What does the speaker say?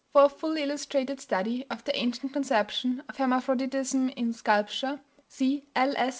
(For a fully illustrated study of the ancient conception of hermaphroditism in sculpture see L.S.